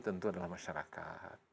tentu adalah masyarakat